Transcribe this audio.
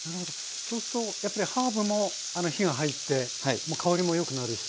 そうするとやっぱりハーブも火が入って香りもよくなるし。